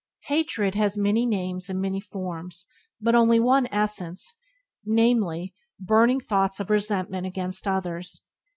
Hatred has many names and many forms but only one essence — namely, burning thoughts of resentment against others.